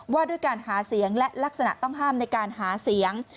ว่าด้วยการหาเสียงและลักษณะต้องห้ามในการหาเสียง